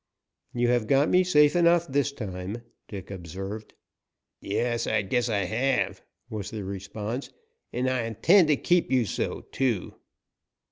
"You have got me safe enough this time," Dick observed. "Yes, I guess I have," was the response. "And I intend to keep you so, too."